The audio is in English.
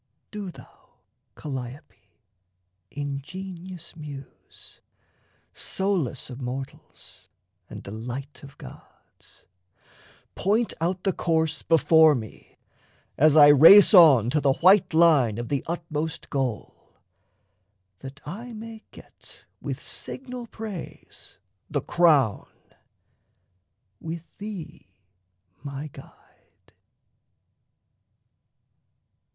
Do thou, Calliope, ingenious Muse, Solace of mortals and delight of gods, Point out the course before me, as I race On to the white line of the utmost goal, That I may get with signal praise the crown, With thee my guide!